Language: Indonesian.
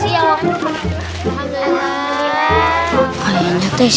yang penting sekarang udah ada makanan yang kita makan